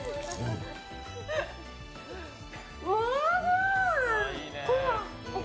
おいしい！